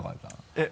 えっ？